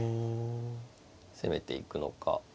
攻めていくのか。